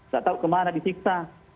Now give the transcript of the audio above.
gak tau kemana disiksa